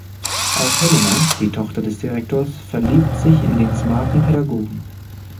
Auch Helena, die Tochter des Direktors, verliebt sich in den smarten Pädagogen.